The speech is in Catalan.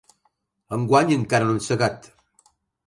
Enguany encara no hem segat.